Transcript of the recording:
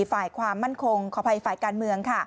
ฝ่ายความมั่นคงขออภัยฝ่ายการเมือง